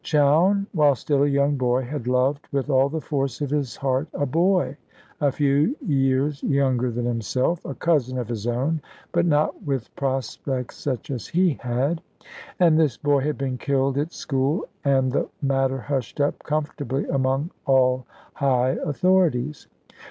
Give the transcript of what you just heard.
Chowne, while still a young boy, had loved, with all the force of his heart, a boy a few years younger than himself, a cousin of his own, but not with prospects such as he had. And this boy had been killed at school, and the matter hushed up comfortably among all high authorities.